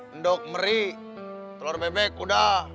endok meri telur bebek udah